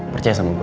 percaya sama gue